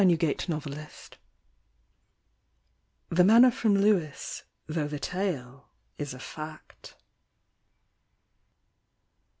THE WHITE WOMAN THE MANNER FROM LEWIS, THOUGH THE TALE IS A FACT.